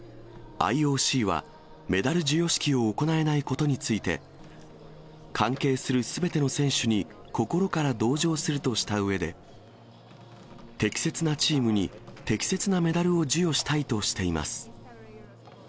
ＩＯＣは、メダル授与式を行えないことについて、関係するすべての選手に、心から同情するとしたうえで、適切なチームに適切なメダルを授与したいとしています。